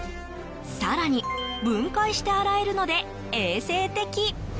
更に分解して洗えるので衛生的。